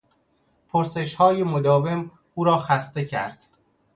پرسشهای مداوم او را خسته کرد.